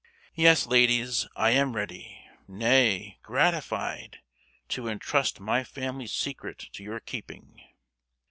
"Yes, ladies; I am ready—nay, gratified—to entrust my family secret to your keeping!